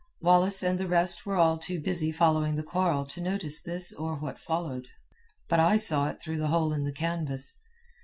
Wallace and the rest were all too busy following the quarrel to notice this or what followed. "But I saw it through the hole in the canvas.